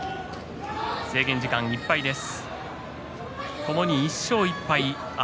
制限時間いっぱいです。